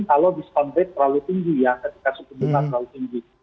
kalau diskon rate terlalu tinggi ya ketika suku bunga terlalu tinggi